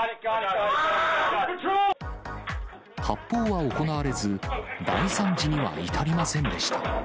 発砲は行われず、大惨事には至りませんでした。